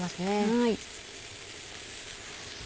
はい。